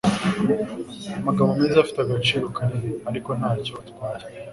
Amagambo meza afite agaciro kanini, ariko ntacyo atwaye.